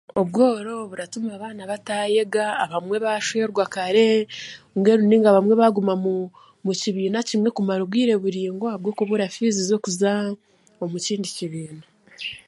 Obworo buratuma abaana bataayega, abamwe baashwerwa kare, mbwenu nainga abamwe baaguma mu kibiina kimwe kumara obwire buringwa aha bw'okubura fiizi z'okuza omu kindi kibiina